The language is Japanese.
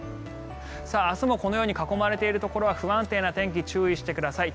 明日もこのように囲まれているところは不安定な天気に注意してください。